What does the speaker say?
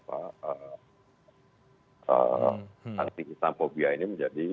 anti islamophobia ini menjadi